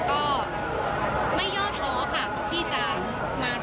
ตอนนี้เป็นครั้งหนึ่งครั้งหนึ่ง